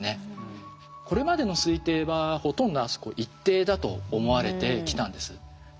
これまでの推定はほとんどあそこ一定だと思われてきたんです。